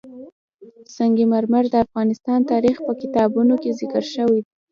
سنگ مرمر د افغان تاریخ په کتابونو کې ذکر شوی دي.